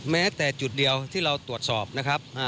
แม้แต่จุดเดียวที่เราตรวจสอบนะครับ